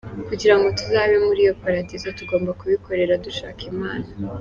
Kugirango tuzabe muli iyo Paradizo, tugomba kubikorera dushaka imana.